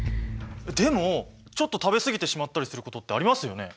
でもちょっと食べすぎてしまったりすることってありますよね。